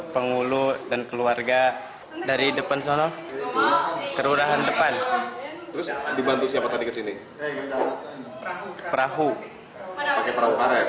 pake perahu karet